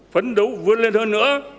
phấn đấu vươn lên hơn nữa